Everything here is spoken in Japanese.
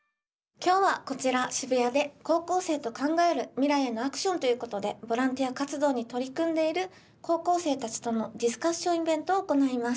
今日はこちら渋谷で高校生と考える未来へのアクションということでボランティア活動に取り組んでいる高校生たちとのディスカッションイベントを行います。